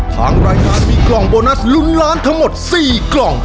ทางรายการมีกล่องโบนัสลุ้นล้านทั้งหมด๔กล่อง